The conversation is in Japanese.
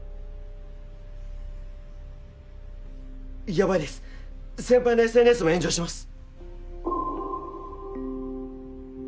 やばいです先輩のＳＮＳも炎上してます。